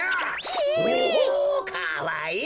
ひえ！おかわいい！